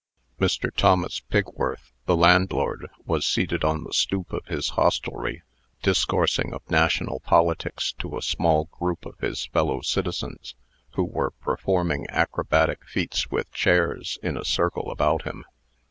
Mr. Thomas Pigworth, the landlord, was seated on the stoop of his hostelry, discoursing of national politics to a small group of his fellow citizens, who were performing acrobatic feats with chairs in a circle about him.